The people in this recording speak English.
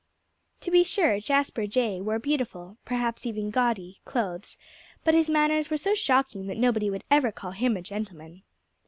To be sure, Jasper Jay wore beautiful perhaps even gaudy clothes; but his manners were so shocking that nobody would ever call him a gentleman.